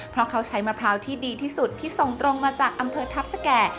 เพราะเขาใช้มะพร้าวที่ดีที่สุดที่ส่งตรงมาจากอำเภอทัพสแก่